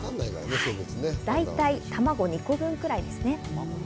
だいたい卵２個分くらいですね。